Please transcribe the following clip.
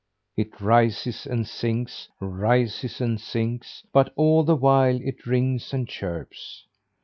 It rises and sinks, rises and sinks, but all the while it rings and chirps.